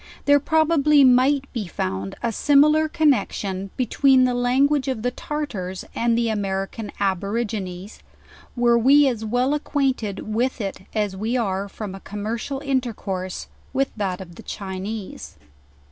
There probably might be found a similar connexion be tween the language of the Tartars and the. American Abor igines, were we as well acquainted with it as v;e are, from a commercial intercourse, with that of the Chinese.